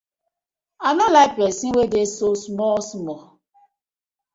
I no like pesin we dey so smer smer.